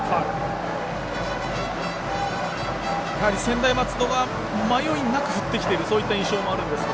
専大松戸は迷いなく振ってきているそういった印象もあるんですが。